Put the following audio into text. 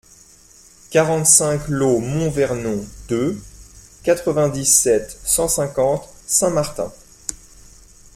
quarante-cinq lOT MONT VERNON deux, quatre-vingt-dix-sept, cent cinquante, Saint Martin